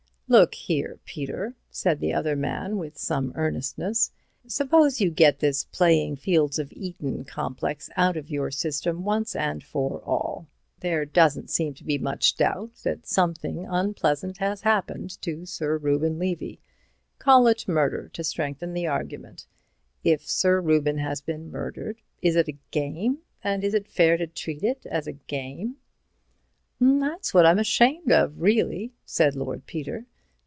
"Look here, Peter," said the other with some earnestness, "suppose you get this playing fields of Eton complex out of your system once and for all. There doesn't seem to be much doubt that something unpleasant has happened to Sir Reuben Levy. Call it murder, to strengthen the argument. If Sir Reuben has been murdered, is it a game? and is it fair to treat it as a game?" "That's what I'm ashamed of, really," said Lord Peter.